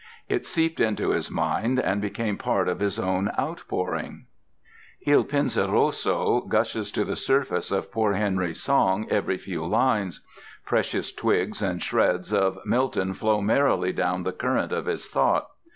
It seeped into his mind and became part of his own outpourings. Il Penseroso gushes to the surface of poor Henry's song every few lines; precious twigs and shreds of Milton flow merrily down the current of his thought.